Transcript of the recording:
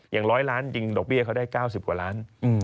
อย่าง๑๐๐ล้านจริงดอกเบี้ยเขาได้๙๐กว่าล้าน